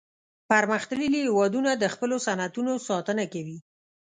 پرمختللي هیوادونه د خپلو صنعتونو ساتنه کوي